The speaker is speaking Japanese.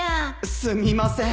すみません。